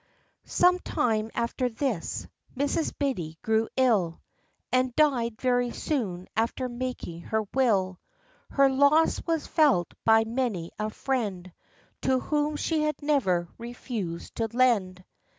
Some time after this, Mrs. Biddy grew ill, And died very soon after making her will. Her loss was felt by many a friend, To whom she had never refused to lend.